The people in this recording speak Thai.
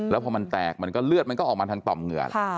แล้วพอมันแตกมันก็เลือดมันก็ออกมาทางต่อมเหงื่อ